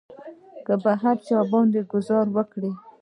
که به هر چا ورباندې ګوزار وکړ.